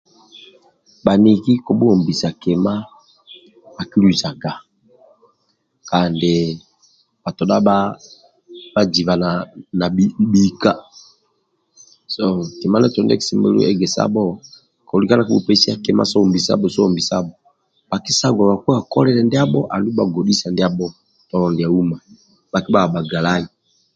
Bhaniki kobhuombisaga kima bhakiluzaga kandi bhatodha bhaziba na na bhika so kima ndietolo ndie kisemelelu egesabho kolika nokupesia kima sa ombisabho ombisabho bhakisaguaga kwekolilia ndiabho andulu bhagodhisa tolo ndia uma bhakibhaga bhagalai